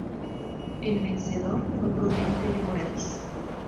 El vencedor fue Prudente de Morais.